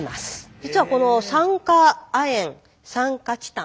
実はこの酸化亜鉛酸化チタン